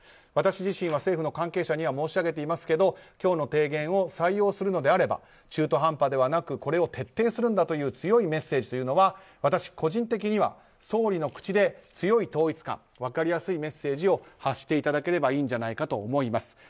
私自身は政府の関係者には申し上げていますけど今日の提言を採用するのであれば中途半端ではなくこれを徹底するんだという強いメッセージというのは私個人的には総理の口で強い統一感分かりやすいメッセージを発していただければいいんじゃないかと思います。